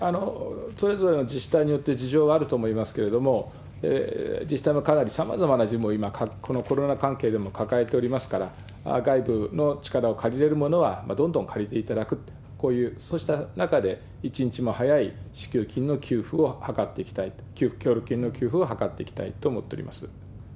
それぞれの自治体によってじじょうはあるとおもいますけれども自治体もかなりさまざまな事務、このコロナ関係で抱えておりますから、外部の力を借りれるものはどんどん借りていただくと、そうした中で一日も早い支給金の給付を図っていきたいと、協力金の給付を図っていきたいと思っております。